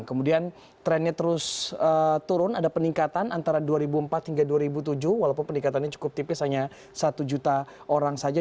kemudian trennya terus turun ada peningkatan antara dua ribu empat hingga dua ribu tujuh walaupun peningkatannya cukup tipis hanya satu juta orang saja